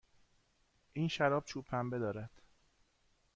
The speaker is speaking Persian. این شراب چوب پنبه دارد.